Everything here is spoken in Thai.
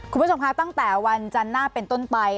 คุณผู้ชมคะตั้งแต่วันจันทร์หน้าเป็นต้นไป